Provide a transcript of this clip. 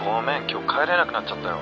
今日帰れなくなっちゃったよ。